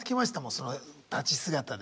その立ち姿で。